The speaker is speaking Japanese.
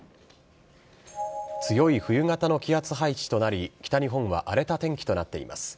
強い冬型の気圧配置となり、北日本は荒れた天気となっています。